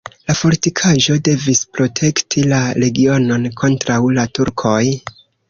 La fortikaĵo devis protekti la regionon kontraŭ la turkoj.